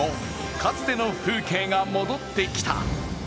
かつての風景が戻ってきた。